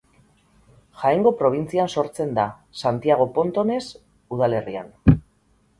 Jaengo probintzian sortzen da, Santiago-Pontones udalerrian.